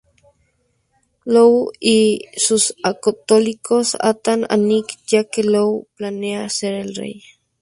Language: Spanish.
Lou y sus acólitos atan a Nick, ya que Lou planea ser el rey.